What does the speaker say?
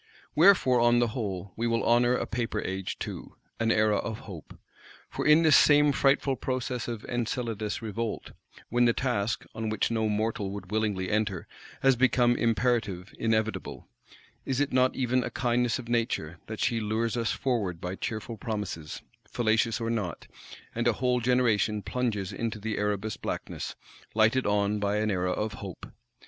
Wherefore, on the whole, we will honour a Paper Age too; an Era of hope! For in this same frightful process of Enceladus Revolt; when the task, on which no mortal would willingly enter, has become imperative, inevitable,—is it not even a kindness of Nature that she lures us forward by cheerful promises, fallacious or not; and a whole generation plunges into the Erebus Blackness, lighted on by an Era of Hope?